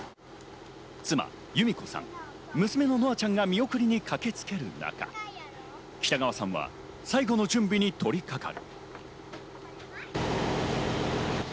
妻・由美子さん、娘の乃愛ちゃんが見送りに駆けつける中、北川さんは最後の準備に取りかかる。